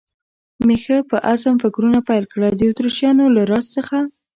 مې ښه په عزم فکرونه پیل کړل، د اتریشیانو له راز څخه.